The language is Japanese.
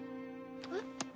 えっ？